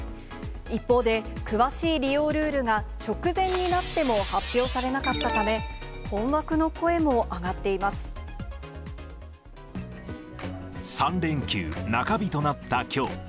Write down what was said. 一方で、詳しい利用ルールが直前になっても発表されなかったため、困惑の３連休中日となったきょう。